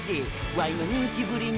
ワイの人気ぶりに！！